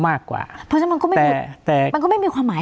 เพราะฉะนั้นมันก็ไม่มีแต่มันก็ไม่มีความหมาย